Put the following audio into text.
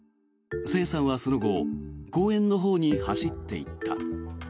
朝芽さんはその後公園のほうに走っていった。